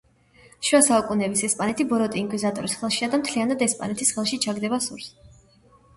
შუა საუკუნეების ესპანეთი ბოროტი ინკვიზიტორის ხელშია და მთლიანად ესპანეთის ხელში ჩაგდება სურს.